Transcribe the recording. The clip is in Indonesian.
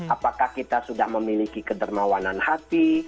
apakah kita sudah memiliki kedermawanan hati